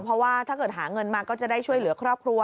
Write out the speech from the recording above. เพราะว่าถ้าเกิดหาเงินมาก็จะได้ช่วยเหลือครอบครัว